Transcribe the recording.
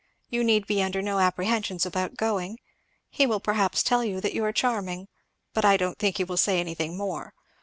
You need be under no apprehensions about going he will perhaps tell you that you are charming, but I don't think he will say anything more.